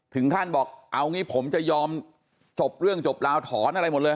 ถึงขั้นบอกเอางี้ผมจะยอมจบเรื่องจบราวถอนอะไรหมดเลย